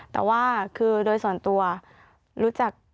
แต่ว่าคือโดยส่วนตัวรู้จัก